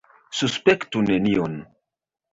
Suspektu nenion.